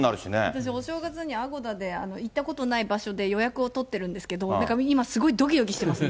私、お正月にアゴダで、行ったことない場所で予約を取ってるんですけど、だから今、すごいどきどきしてますね。